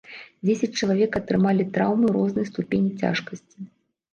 Дзесяць чалавек атрымалі траўмы рознай ступені цяжкасці.